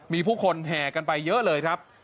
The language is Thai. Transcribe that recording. มีผู้คนแห่กันไปเยอะเลยครับ